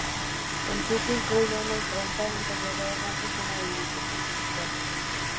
El sitio incluye una imprenta, un taller de órganos, una biblioteca y una escuela.